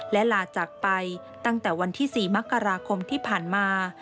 และลาจากไปตั้งแต่วันที่๔มกราคมที่ผ่านมา